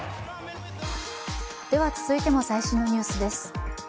では続いても最新のニュースです。